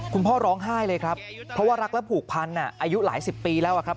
คุณพ่อร้องไห้เลยครับเพราะว่ารักและผูกพันอายุหลายสิบปีแล้วครับ